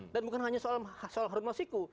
dan bukan hanya soal harun masiku